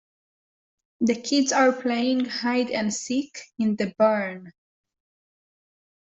The kids are playing hide and seek in the barn.